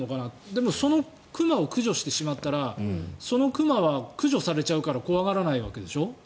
でも、その熊を駆除してしまったらその熊は駆除されちゃうから怖がらないわけでしょ。